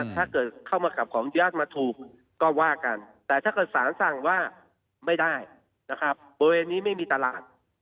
ถ้าเกิดเข้ามากลับของญาติมาถูกก็ว่ากันแต่ถ้าเกิดสารสั่งว่าไม่ได้นะครับบริเวณนี้ไม่มีตลาด